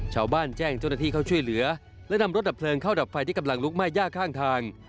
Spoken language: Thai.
ชาวบ้านแจ้งเจ้าหน้าที่เข้าช่วยเหลือและนำรถดับเพลิงเข้าดับไฟที่กำลังลุกไหม้ย่าข้างทาง